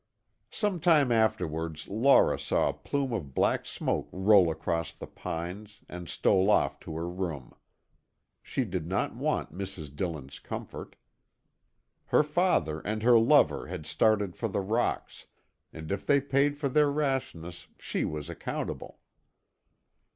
Some time afterwards Laura saw a plume of black smoke roll across the pines and stole off to her room. She did not want Mrs. Dillon's comfort. Her father and her lover had started for the rocks, and if they paid for their rashness, she was accountable.